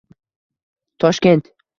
Toshkent